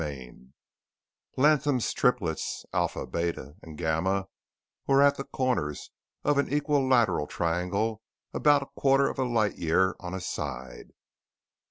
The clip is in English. CHAPTER 13 Latham's Triplets, Alpha, Beta, and Gamma, were at the corners of an equilateral triangle about a quarter of a light year on a side.